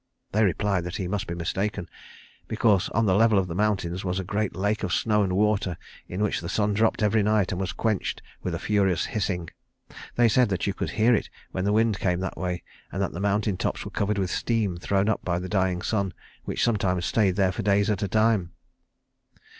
They replied that he must be mistaken, because on the level of the mountains was a great lake of snow and water in which the sun dropped every night and was quenched with a furious hissing. They said that you could hear it when the wind came that way, and that the mountain tops were covered with steam thrown up by the dying sun, which sometimes stayed there for days at a time.